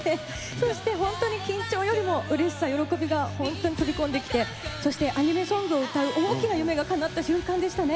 そして、本当に緊張よりもうれしさ、喜びが飛び込んできてアニメソングを歌う大きな夢がかなった瞬間でしたね。